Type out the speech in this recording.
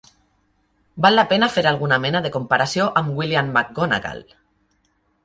Val la pena fer alguna mena de comparació amb William McGonagall.